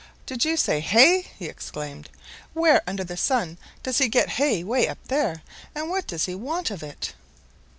"Did you say hay?" he exclaimed. "Where under the sun does he get hay way up there, and what does he want of it?"